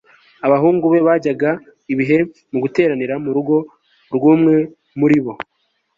abahungu be bajyaga ibihe mu guteranira mu rugo rw'umwe muri bo